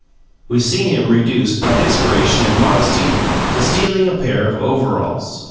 We see him reduced by desperation and modesty to stealing a pair of overalls.